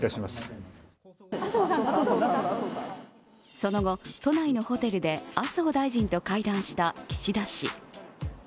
その後、都内のホテルで麻生大臣と会談した岸田氏。